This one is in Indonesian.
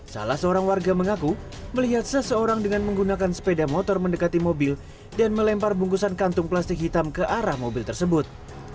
salah seorang warga mengaku melihat seseorang dengan menggunakan sepeda motor mendekati mobil dan melempar bungkusan kantung plastik hitam ke arah mobil tersebut